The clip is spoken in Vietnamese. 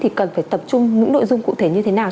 thì cần phải tập trung những nội dung cụ thể như thế nào